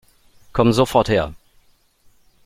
Komm sofort her!